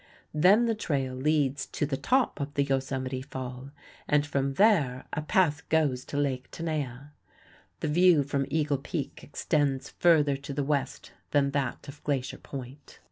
Then the trail leads to the top of the Yosemite Fall and from there a path goes to Lake Tenaya. The view from Eagle Peak extends further to the west than that of Glacier Point.